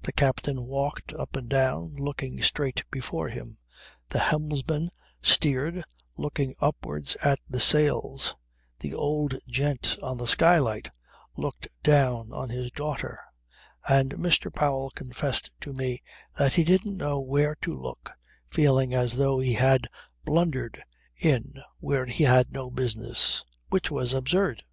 The captain walked up and down looking straight before him, the helmsman steered, looking upwards at the sails, the old gent on the skylight looked down on his daughter and Mr. Powell confessed to me that he didn't know where to look, feeling as though he had blundered in where he had no business which was absurd.